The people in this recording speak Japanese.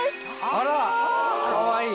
あらかわいい！